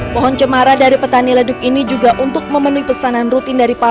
pohon cemara dari petani ledug ini juga untuk memenuhi pesanan rutin dari palsu